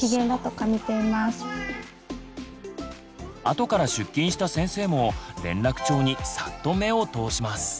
後から出勤した先生も連絡帳にさっと目を通します。